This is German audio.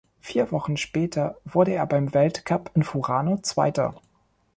Vier Wochen später wurde er beim Weltcup in Furano Zweiter.